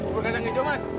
buat gajang hijau mas